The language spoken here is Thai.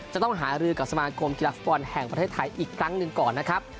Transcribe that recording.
จะต้องหารือกับสมาคมกีฬาฟุตบอลแห่งประเทศไทยอีกครั้งหนึ่งก่อนนะครับ